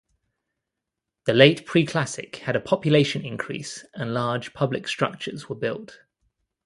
The Late Preclassic had a population increase and large public structures were built.